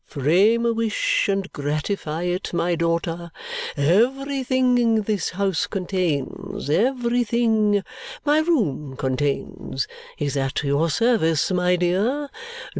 Frame a wish and gratify it, my daughter. Everything this house contains, everything my room contains, is at your service, my dear.